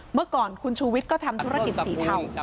เมื่อก่อนคุณชูวิทย์ก็ทำธุรกิจสีเทา